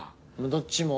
どっちも。